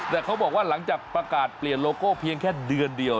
แต่เขาบอกว่าหลังจากประกาศเปลี่ยนโลโก้เพียงแค่เดือนเดียว